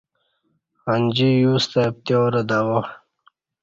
انجی یوستہ پتیارہ دوا